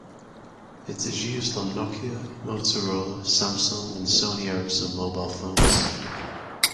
It is used on Nokia, Motorola, Samsung and Sony Ericsson mobile phones.